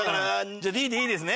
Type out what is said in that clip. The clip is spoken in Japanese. じゃあＤでいいですね？